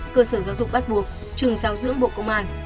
cơ sở giáo dục bắt buộc trường giáo dưỡng bộ công an